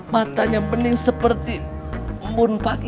matanya pening seperti murni pagi